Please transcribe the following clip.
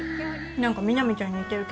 何か南ちゃんに似てる気がする。